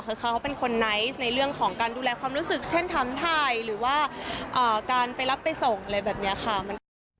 คือเขาเป็นคนไนท์ในเรื่องของการดูแลความรู้สึกเช่นถามถ่ายหรือว่าการไปรับไปส่งอะไรแบบนี้ค่ะ